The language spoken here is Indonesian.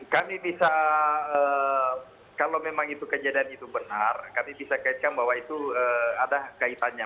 kami bisa kalau memang itu kejadian itu benar kami bisa kaitkan bahwa itu ada kaitannya